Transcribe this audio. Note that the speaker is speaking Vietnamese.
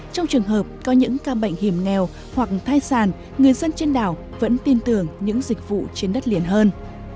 trong trường hợp có những ca bệnh hiểm nghèo hoặc thai sản người dân trên đảo vẫn tin tưởng những dịch vụ trên đất liền hơn